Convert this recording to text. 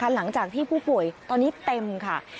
หลังจากที่ผู้ป่วยตอนนี้เต็มค่ะ